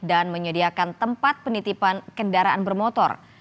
dan menyediakan tempat penitipan kendaraan bermotor